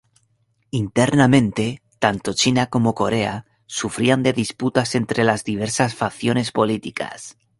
Internamente, tanto China como Corea sufrían de disputas entre las diversas facciones políticas.